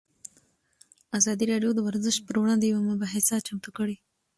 ازادي راډیو د ورزش پر وړاندې یوه مباحثه چمتو کړې.